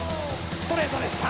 ストレートでした！